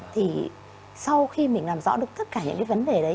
thì sau khi mình làm rõ được tất cả những cái vấn đề đấy